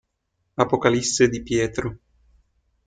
Apocalisse di Pietro